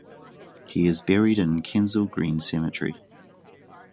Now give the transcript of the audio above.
He is buried in Kensal Green Cemetery.